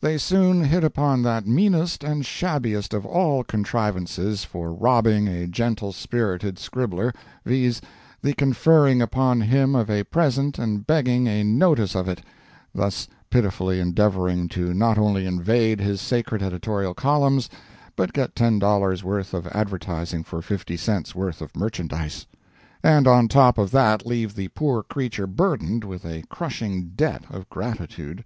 They soon hit upon that meanest and shabbiest of all contrivances for robbing a gentle spirited scribbler, viz., the conferring upon him of a present and begging a "notice" of it—thus pitifully endeavoring to not only invade his sacred editorial columns, but get ten dollars' worth of advertising for fifty cents' worth of merchandise, and on top of that leave the poor creature burdened with a crushing debt of gratitude!